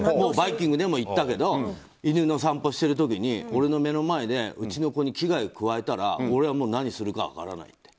「バイキング」でも言ってるけど犬の散歩してる時に俺の目の前でうちの子に危害を加えたら俺はもう何するか分からない。